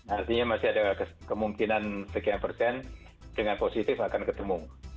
artinya masih ada kemungkinan sekian persen dengan positif akan ketemu